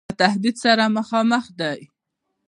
له تهدید سره مخامخ دی.